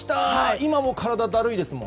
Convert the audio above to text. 今も体だるいですもん。